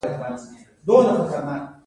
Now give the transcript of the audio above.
دا د مالي پلان د تطبیق لپاره دی.